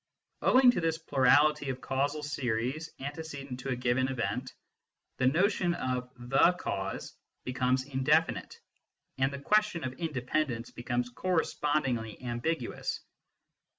Owing to this plurality of causal series antecedent to a given event, the notion of the cause becomes indefinite, and the question of independence becomes correspondingly ambiguous.